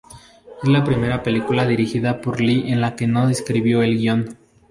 Es la primera película dirigida por Lee en la que no escribió el guión.